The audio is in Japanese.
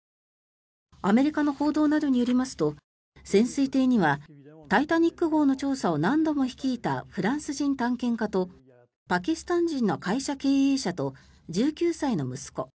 アメリカの報道などによりますと潜水艇には「タイタニック号」の調査を何度も率いたフランス人探検家とパキスタン人の会社経営者と１９歳の息子